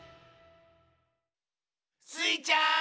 スイちゃん！